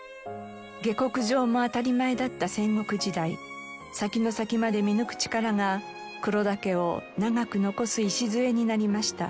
下克上も当たり前だった戦国時代先の先まで見抜く力が黒田家を長く残す礎になりました。